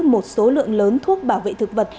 một số lượng lớn thuốc bảo vệ thực vật